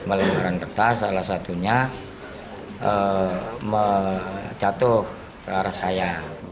melimparan kertas salah satunya menjatuh ke arah saya